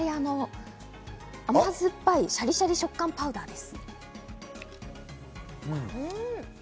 甘酸っぱいシャリシャリ食感パウダーです。